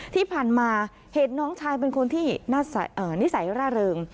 ที่ผ่านมาเห็นน้องชายเป็นคนที่นิสัยร่าเริง